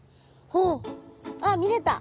あっあっ見れた。